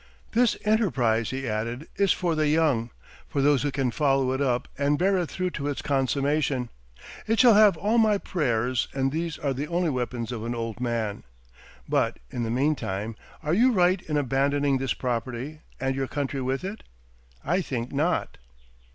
"This enterprise," he added, "is for the young, for those who can follow it up and bear it through to its consummation. It shall have all my prayers and these are the only weapons of an old man. But, in the mean time, are you right in abandoning this property, and your country with it? I think not."